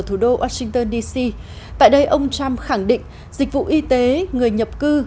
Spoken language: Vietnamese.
thủ đô washington dc tại đây ông trump khẳng định dịch vụ y tế người nhập cư